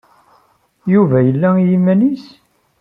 Yuba yella i yiman-nnes?